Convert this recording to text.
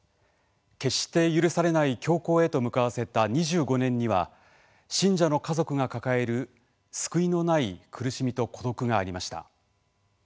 決して許されない凶行へと向かわせた２５年には信者の家族が抱える救いのない苦しみと孤独がありました。